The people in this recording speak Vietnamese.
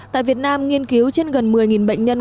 tại việt nam nghiên cứu trên gần một mươi bệnh nhân